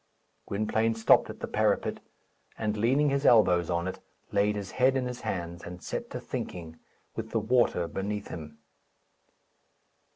Gwynplaine stopped at the parapet, and, leaning his elbows on it, laid his head in his hands and set to thinking, with the water beneath him.